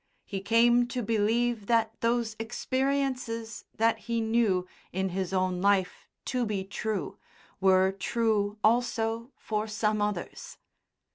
He came to believe that those experiences that he knew, in his own life, to be true, were true also for some others.